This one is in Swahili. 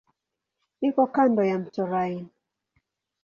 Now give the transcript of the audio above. Iko kando ya mto Rhine.